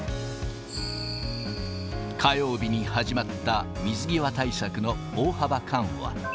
火曜日に始まった水際対策の大幅緩和。